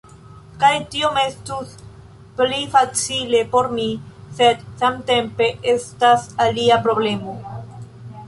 Kaj tiom estus pli facile por mi, sed samtempe estas alia problemo